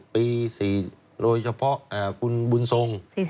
ปี๔โดยเฉพาะคุณบุญทรง